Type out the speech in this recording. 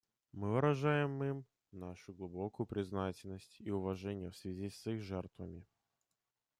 Мы выражаем им нашу глубокую признательность и уважение в связи с их жертвами.